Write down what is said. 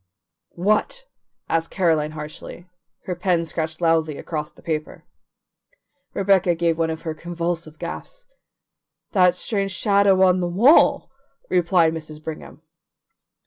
"What?" asked Caroline harshly; her pen scratched loudly across the paper. Rebecca gave one of her convulsive gasps. "That strange shadow on the wall," replied Mrs. Brigham.